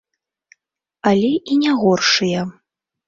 Але і не горшая.